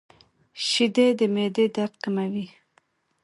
• شیدې د معدې درد کموي.